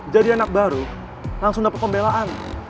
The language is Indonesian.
jadi anak baru langsung dapet pembelaan